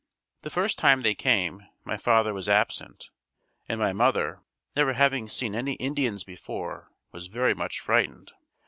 The first time they came, my father was absent, and my mother, never having seen any Indians before, was very much frightened.